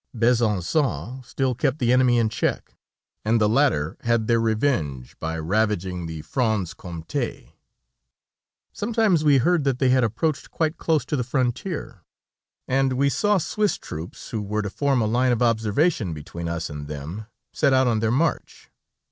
Besançon still kept the enemy in check, and the latter had their revenge by ravaging the Franché Comte. Sometimes we heard that they had approached quite close to the frontier, and we saw Swiss troops, who were to form a line of observation between us and them, set out on their march.